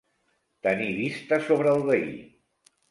Tenir vista sobre el veí.